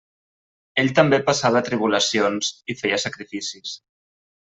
Ell també passava tribulacions i feia sacrificis.